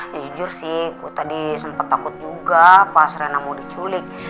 ya jujur sih tadi sempat takut juga pas rena mau diculik